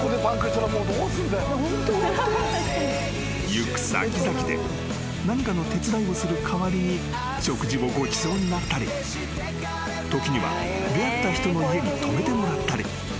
［行く先々で何かの手伝いをする代わりに食事をごちそうになったり時には出会った人の家に泊めてもらったり］